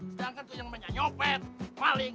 sedangkan tuh yang namanya nyopet paling